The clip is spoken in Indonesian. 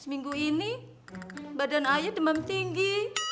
seminggu ini badan air demam tinggi